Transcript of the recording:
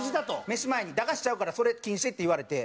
飯前に「駄菓子ちゃうからそれ禁止」って言われて。